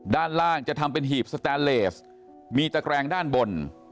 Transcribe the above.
ด้านล่างจะทำเป็นหีบสแตนเลสมีตะแกรงด้านบน